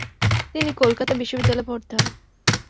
তিনি কলকাতা বিশ্ববিদ্যালয়ে ভর্তি হন।